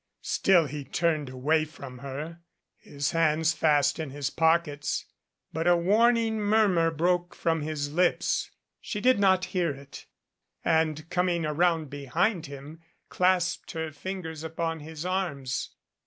Still he turned away from her, his hands fast in his pockets, but a warning murmur broke from his lips. She did not hear it and, coming around behind him, clasped her fingers upon his arms.